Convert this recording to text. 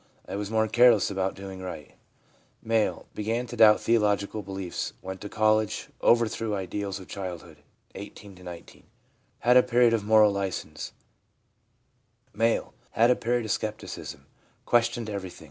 I was more careless about doing right/ M. ' Began to doubt theological beliefs. Went to college. Overthrew ideals of child hood (18 19). Had a period of moral license/ M. 1 Had a period of scepticism. Questioned everything.